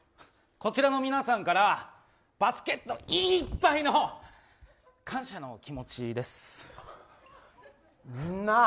こちらの皆さんからバスケットいっぱいの感謝の気持ちです。